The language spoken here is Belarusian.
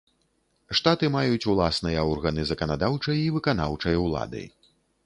Штаты маюць уласныя органы заканадаўчай і выканаўчай улады.